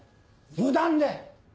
無断で！